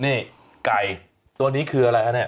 นี่ไก่ตัวนี้คืออะไรครับ